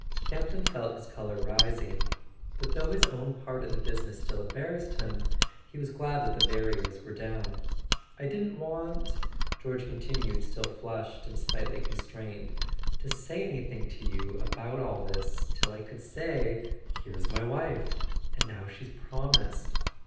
Camp ton felt his colour rising; but though his own part in the business still embarrassed him he was glad that the barriers were down. "I didn't want," George continued, still flushed and slightly constrained, "to say anything to you about [ 357 ] A SON AT THE FRONT all this till I could say: 'Here's my wife.' And now she's promised."